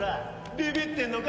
ビビってんのか？